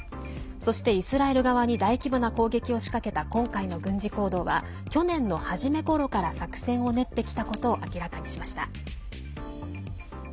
そして、イスラエル側に大規模な攻撃を仕掛けた今回の軍事行動は去年の初めころから作戦を練ってきたことを明らかにしました。